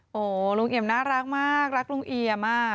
โอ้โหลุงเอี่ยมน่ารักมากรักลุงเอี่ยม